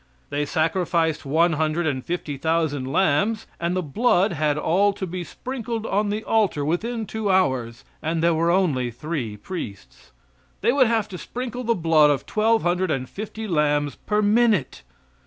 They sacrificed one hundred and fifty thousand lambs, and the blood had all to be sprinkled on the altar within two hours, and there, were only three priests. They would have to sprinkle the blood of twelve hundred and fifty lambs per minute.